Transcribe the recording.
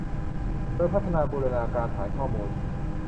โดยพัฒนาบูรณาการฐานข้อมูล